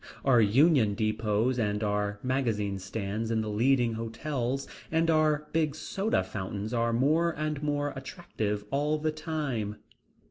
Our Union depots and our magazine stands in the leading hotels, and our big Soda fountains are more and more attractive all the time.